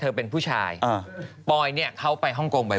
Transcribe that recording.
เธอเป็นผู้ชายปอยเขาไปฮ่องโกงบ่อยบ่อย